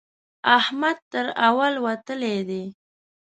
احمد تر اول وتلی دی.